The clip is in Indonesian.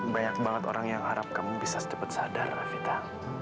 banyak banget orang yang harap kamu bisa setepat sadar vita